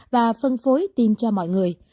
và phân phối tiêm cho mọi người